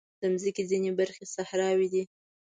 د مځکې ځینې برخې صحراوې دي.